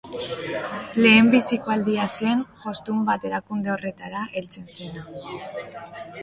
Lehenbiziko aldia zen jostun bat erakunde horretara heltzen zena.